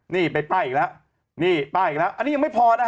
โหยวายโหยวายโหยวายโหยวายโหยวายโหยวาย